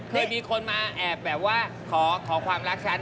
เคยมีคนมาแอบแบบว่าขอความรักฉัน